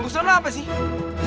lo serah apa sih